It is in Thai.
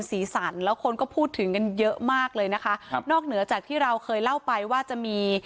สีสันแล้วคนก็พูดถึงกันเยอะมากเลยนะคะครับนอกเหนือจากที่เราเคยเล่าไปว่าจะมี